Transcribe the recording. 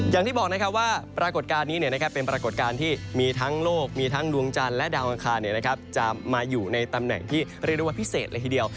อย่างที่บอกนะครับว่าปรากฏการณ์นี้เป็นปรากฏการณ์ที่มีทั้งโลกมีทั้งดวงจันทร์และดาวอังคารจะมาอยู่ในตำแหน่งที่เรียกได้ว่าพิเศษเลยทีเดียว